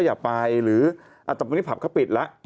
อ่ะแต่วันนี้ผับเขาปิดละ